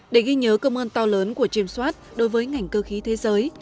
để ghi nhớ công ơn to lớn của james watt đối với ngành cơ khí thế giới